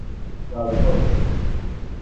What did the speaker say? চল, ওঠ।